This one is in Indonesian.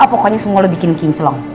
pokoknya semua lo bikin kinclong